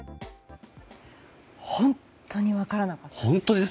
本当に分からなかったです。